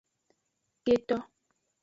Keto.